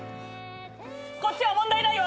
こっちは問題ないわ。